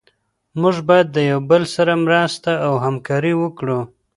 موږ باید د یو بل سره مرسته او همکاري وکړو.